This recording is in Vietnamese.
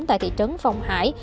tại thị trấn phong hải